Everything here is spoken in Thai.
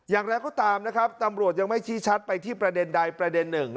อย่างไรก็ตามนะครับตำรวจยังไม่ชี้ชัดไปที่ประเด็นใดประเด็นหนึ่ง